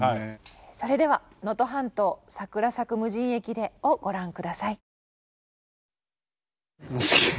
それでは「能登半島桜咲く無人駅で」をご覧下さい。